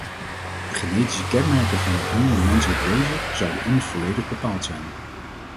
De genetische kenmerken van het nieuwe menselijke wezen zouden immers volledig bepaald zijn.